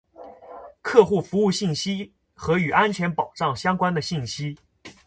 ·客户服务信息和与安全保障相关的信息。